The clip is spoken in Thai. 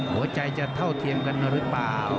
หัวใจจะเท่าเทียมกันหรือเปล่า